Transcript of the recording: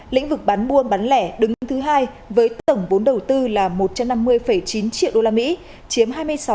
lĩnh vực bán buôn bán lẻ đứng thứ hai với tổng vốn đầu tư là một trăm năm mươi chín triệu usd chiếm hai mươi sáu